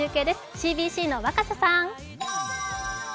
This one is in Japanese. ＣＢＣの若狭さーん。